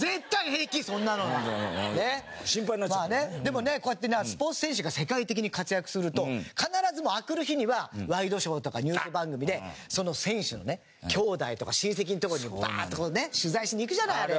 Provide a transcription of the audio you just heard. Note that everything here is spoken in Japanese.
でもこうやってスポーツ選手が世界的に活躍すると必ず明くる日にはワイドショーとかニュース番組でその選手のね兄弟とか親戚のとこにバーッとこう取材しに行くじゃないあれ。